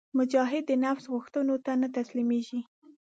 مجاهد د نفس غوښتنو ته نه تسلیمیږي.